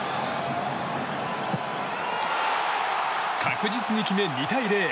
確実に決め２対０。